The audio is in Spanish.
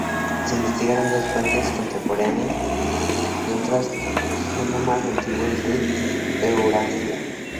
Se investigaron dos fuentes contemporáneas y otros genomas antiguos de Eurasia.